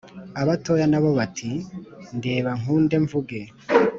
Abatoya na bo bati “Ndeba nkunde mvuge”